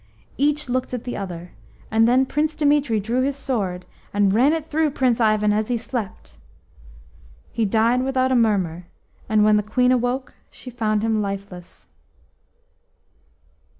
Each looked at the other, and then Prince Dimitri drew his sword, and ran it through Prince Ivan as he slept; he died without a murmur, and when the Queen awoke, she found him lifeless.